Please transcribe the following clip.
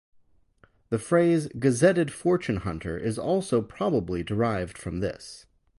The phrase "gazetted fortune hunter" is also probably derived from this.